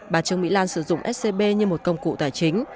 bà trương mỹ lan sử dụng scb như một công cụ tài chính